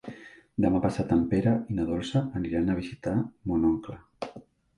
Demà passat en Pere i na Dolça aniran a visitar mon oncle.